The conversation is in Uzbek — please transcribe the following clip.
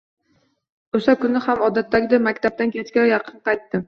Oʻsha kuni ham odatdagiday maktabdan kechga yaqin qaytdim.